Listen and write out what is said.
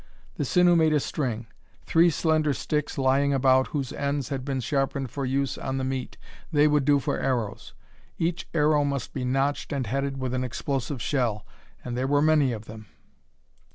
The sinew made a string. Three slender sticks lying about whose ends had been sharpened for use on the meat: they would do for arrows. Each arrow must be notched and headed with an explosive shell, and there were many of them.